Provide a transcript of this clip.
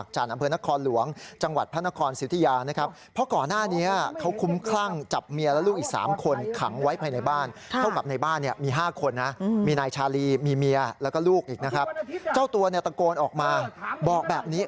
เจ้าตัวตะโกนออกมาบอกแบบนี้